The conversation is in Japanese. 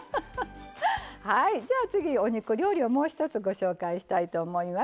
次、お肉料理をもう一つご紹介したいと思います。